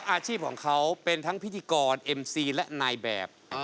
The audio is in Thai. อาชีพของเขาเป็นทั้งพิธีกรเอ็มซีและนายแบบ